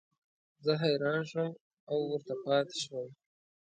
زه حیران شوم او ورته پاتې شوم.